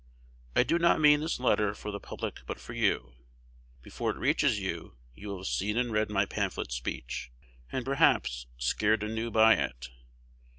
I do not mean this letter for the public, but for you. Before it reaches you, you will have seen and read my pamphlet speech, and, perhaps, scared anew by it.